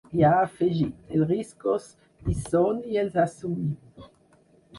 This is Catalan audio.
I ha afegit: Els riscos hi són i els assumim.